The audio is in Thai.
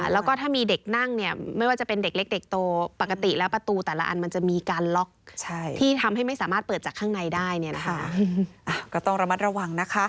รถด้านหลังเนี่ยทับเอา